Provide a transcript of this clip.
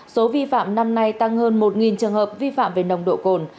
số vi phạm năm nay tăng hơn một trường hợp vi phạm về nồng độ cồn